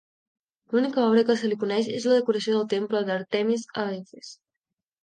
L'única obra que se li coneix és la decoració del temple d'Àrtemis a Efes.